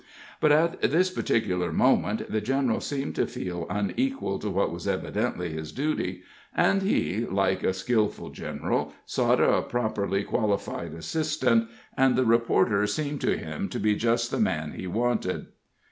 But at this particular moment the general seemed to feel unequal to what was evidently his duty, and he, like a skillful general, sought a properly qualified assistant, and the reporter seemed to him to be just the man he wanted.